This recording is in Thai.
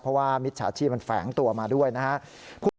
เพราะว่ามิจฉาชีพมันแฝงตัวมาด้วยนะครับ